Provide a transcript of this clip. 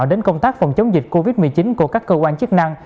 đến công tác phòng chống dịch covid một mươi chín của các cơ quan chức năng